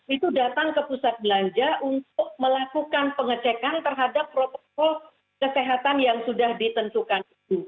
itu datang ke pusat belanja untuk melakukan pengecekan terhadap protokol kesehatan yang sudah ditentukan